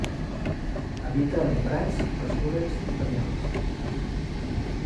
Habita en prats, pastures i penyals.